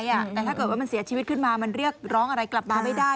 แต่ถ้าเกิดว่ามันเสียชีวิตขึ้นมามันเรียกร้องอะไรกลับมาไม่ได้